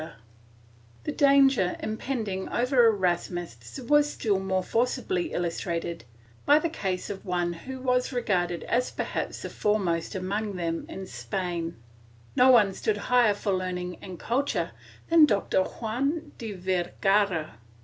416 PROTESTANTISM [Book VlII The danger impending over Erasmists is still more forcibly illus trated by the case of one who was regarded as perhaps the fore most among them in Spain. No man stood higher for learning and culture than Doctor Juan de Vergara.